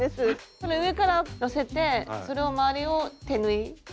これ上からのせてそれを周りを手縫いで？